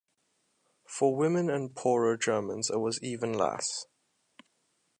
For women and poorer Germans it was even less.